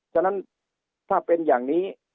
ฉะนั้นถ้าเป็นอย่างนี้